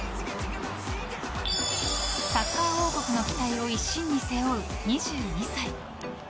サッカー王国の期待を一身に背負う２２歳。